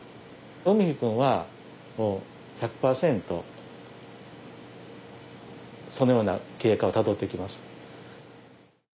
海陽くんは１００％そのような経過をたどって行きます。